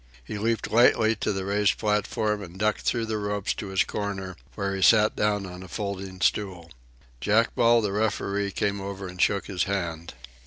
He leaped lightly to the raised platform and ducked through the ropes to his corner, where he sat down on a folding stool. Jack Ball, the referee, came over and shook his hand.